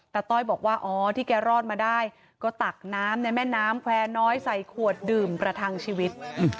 ต้อยบอกว่าอ๋อที่แกรอดมาได้ก็ตักน้ำในแม่น้ำแควร์น้อยใส่ขวดดื่มประทังชีวิต